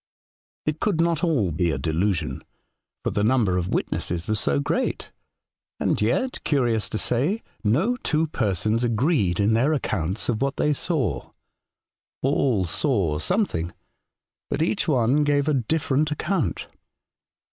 It could not all be a delusion, for the number of witnesses was so great, and yet, curious to say, no two persons agreed in their accounts of what they saw ; all saw something, but each one gave a different account.